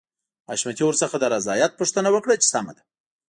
حشمتي ورڅخه د رضايت پوښتنه وکړه چې سمه ده.